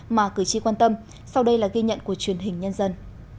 mà cử tri quan tâm sau đây là ghi nhận của truyền hình nhân dân